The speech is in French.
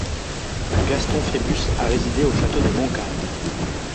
Gaston Fébus a résidé au château de Moncade.